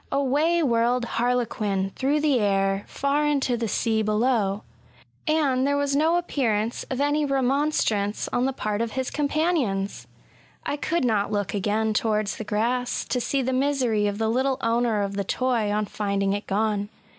Away whirled harlequin through the air far into the sea below : and there was no appearance of any remonstrance on the part of his companions ! I could not look again towards the grass, to see the misery of the little owner of the toy on finding it gone.